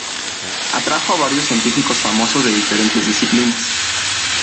Atrajo a varios científicos famosos de diferentes disciplinas.